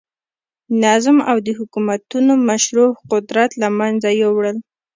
نظم او د حکومتونو مشروع قدرت له منځه یووړل.